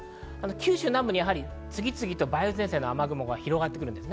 九州南部に次々と梅雨前線の雨雲が広がってきます。